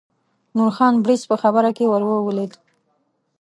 نورخان بړیڅ په خبره کې ور ولوېد.